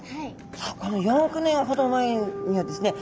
さあこの４億年ほど前にはですね